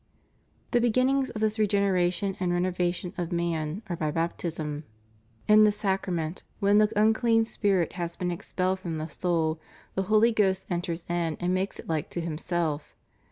The beginnings of this regeneration and renovation of man are by Baptism. In the sacrament, when the unclean spirit has been expelled from the soul, the Holy Ghost enters in and makes it like to Himself.